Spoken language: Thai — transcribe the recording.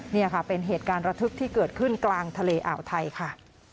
นี่ค่ะเป็นเหตุการณ์ระทึกที่เกิดขึ้นกลางทะเลอ่าวไทยค่ะ